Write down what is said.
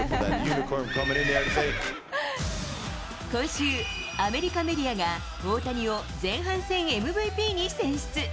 今週、アメリカメディアが、大谷を前半戦ＭＶＰに選出。